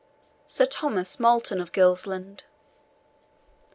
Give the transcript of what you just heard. [Sir Thomas Multon of Gilsland.